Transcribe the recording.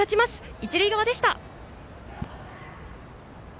一塁側でした。